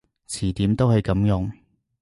詞典都係噉用